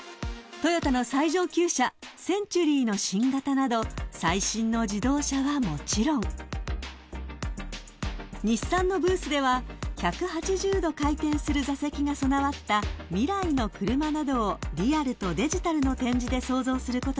［トヨタの最上級車センチュリーの新型など最新の自動車はもちろん日産のブースでは１８０度回転する座席が備わった未来の車などをリアルとデジタルの展示で想像することができます］